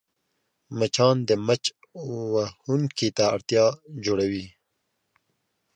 مچان د مچ وهونکي ته اړتیا جوړوي